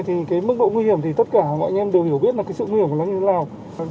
thì mức độ nguy hiểm thì tất cả mọi người đều hiểu biết sự nguy hiểm của nó như thế nào